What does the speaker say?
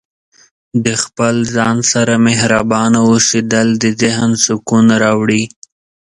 د خپل ځان سره مهربانه اوسیدل د ذهن سکون راوړي.